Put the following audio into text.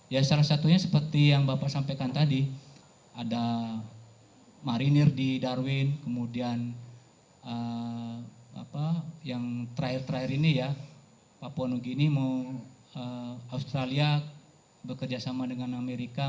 ya salah satunya seperti yang bapak sampaikan tadi ada marinir di darwin kemudian yang terakhir terakhir ini ya papua new guinea mau australia bekerja sama dengan amerika